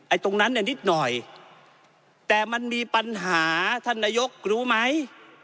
ตรงนั้นเนี่ยนิดหน่อยแต่มันมีปัญหาท่านนายกรู้ไหม